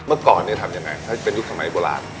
เมื่อก่อนทำอย่างไรถ้าเป็นยุคสมัยโบราณ